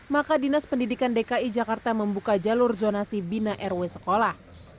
maka dinas pendidikan dki jakarta membuka jalur zonasi bina rw sekolah